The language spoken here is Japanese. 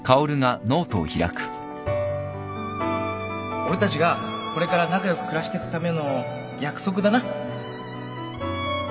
俺たちがこれから仲良く暮らしてくための約束だな